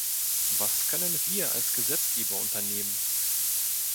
Was können wir als Gesetzgeber unternehmen?